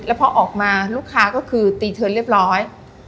แล้วพอออกมาลูกค้าก็คือตีเทิร์นเรียบร้อย